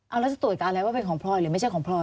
เอาแล้วจะตรวจการแล้วว่าเป็นของพลอยหรือไม่ใช่ของพลอย